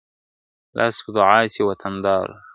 لاس په دعا سی وطندارانو `